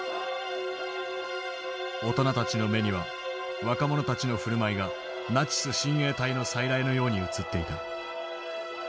大人たちの目には若者たちの振る舞いがナチス親衛隊の再来のように映っていた。